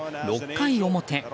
６回表。